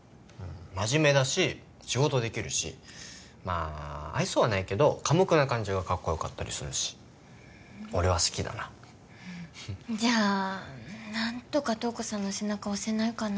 真面目だし仕事できるしまあ愛想はないけど寡黙な感じがかっこよかったりするし俺は好きだなじゃあ何とか瞳子さんの背中押せないかな